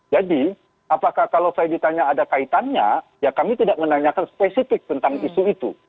jadi apakah kalau saya ditanya ada kaitannya ya kami tidak menanyakan spesifik tentang isu itu